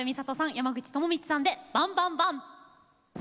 山口智充さんで「バン・バン・バン」。